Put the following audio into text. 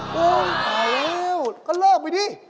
อ้อโอ้โฮไปแล้วก็เลิกไปดิ